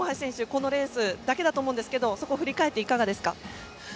このレースだけだと思いますがそこを振り返っていかがですか？